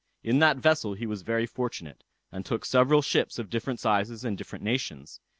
In that vessel he was very fortunate, and took several ships of different sizes and different nations.